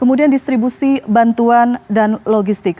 kemudian distribusi bantuan dan logistik